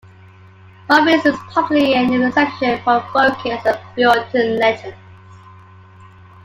Her "Orestes" is possibly an exception to her focus on Boeotian legends.